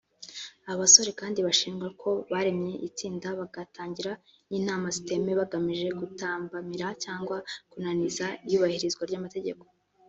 Aba bose kandi bashinjwa ko ‘baremye itsinda bagatangira n’inama zitemewe bagamije gutambamira cyangwa kunaniza iyubahirizwa ry’amategeko